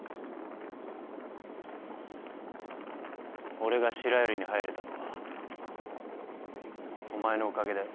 俺が白百合に入れたのはお前のおかげだよ。